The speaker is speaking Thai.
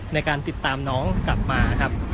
ในการติดตามน้องกลับมาครับ